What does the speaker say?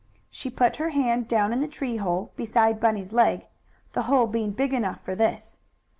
She put her hand down in the tree hole, beside Bunny's leg, the hole being big enough for this.